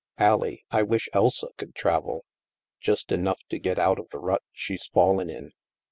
Allie, I wish Elsa could travel. Just enough to get out of the rut she's fallen in.